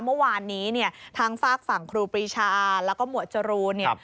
เมื่อวานนี้เนี่ยทั้งฝากฝั่งครูปรีชาแล้วก็หมวดจรูนเนี่ย